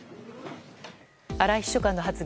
荒井秘書官の発言